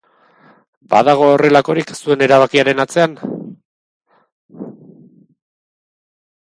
Badago horrelakorik zuen erabakiaren atzean?